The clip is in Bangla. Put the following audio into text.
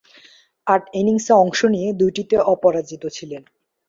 আট ইনিংসে অংশ নিয়ে দুইটিতে অপরাজিত ছিলেন।